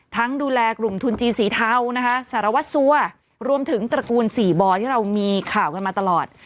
ดูแลกลุ่มทุนจีนสีเทานะคะสารวัตรสัวรวมถึงตระกูลสี่บ่อที่เรามีข่าวกันมาตลอด